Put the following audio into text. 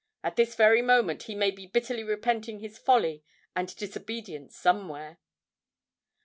At this very moment he may be bitterly repenting his folly and disobedience somewhere.'